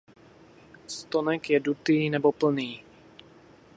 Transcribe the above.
Stonek je dutý nebo plný.